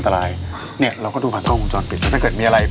พี่อยู่นี่แหละ